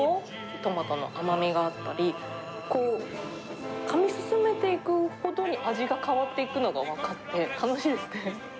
トマトの甘みがあったり、かみ進めていくほどに味が変わっていくのが分かって、楽しいですね。